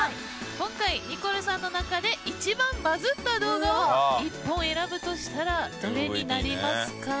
今回ニコルさんの中で一番バズった動画を１本選ぶとしたらどれになりますか？